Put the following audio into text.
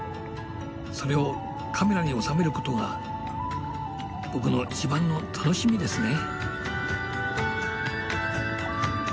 それをカメラに収めることが僕の一番の楽しみですね。